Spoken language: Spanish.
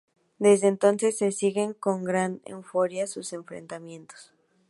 Desde entonces, se siguen con gran euforia sus enfrentamientos.